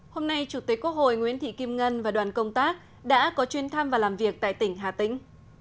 hôm nay chủ tịch quốc hội nguyễn thị kim ngân và đoàn công tác đã có chuyên thăm và làm việc tại tỉnh hà tĩnh